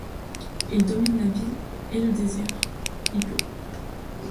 Il domine la ville et le désert ; il peut